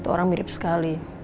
orang mirip sekali